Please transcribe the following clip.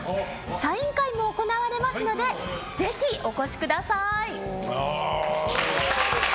サイン会も行われますのでぜひ、お越しください！